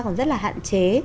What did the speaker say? còn rất là hạn chế